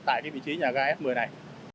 tại vị trí nhà gà f một mươi này